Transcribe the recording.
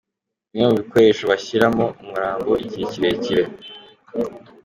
Bimwe mu bikoresho bashyiramo umurambo igihe kirekire.